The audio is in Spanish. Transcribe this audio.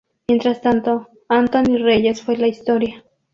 Mientras tanto, Anthony Reyes fue la historia.